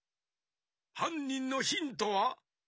はんにんのヒントは？